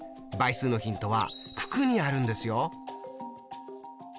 倍数のヒントは九九にあるんですよ。